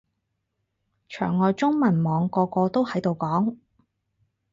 牆外中文網個個都喺度講